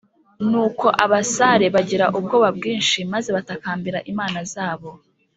Nuko abasare bagira ubwoba bwinshi maze batakambira imana zabo